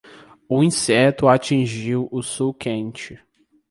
O inseto atingiu o sul quente.